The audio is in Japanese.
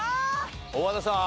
大和田さん